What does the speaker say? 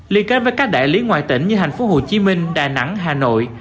liên kết với các đại lý ngoài tỉnh như thành phố hồ chí minh đà nẵng hà nội